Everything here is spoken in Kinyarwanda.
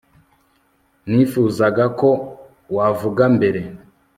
nifuzaga ko wavuga mbere